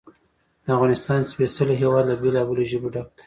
د افغانستان سپېڅلی هېواد له بېلابېلو ژبو ډک دی.